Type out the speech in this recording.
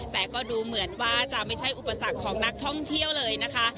แต่ก็ดูเหมือนว่าจะไม่ใช่อุปสรรคของนักท่องเที่ยวเลยนะคะ